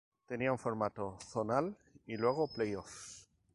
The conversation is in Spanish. Tenía un formato zonal y luego play-offs.